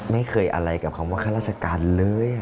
ไม่เคยอะไรกับคำว่าข้าราชการเลย